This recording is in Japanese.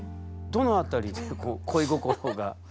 どの辺りで恋心が？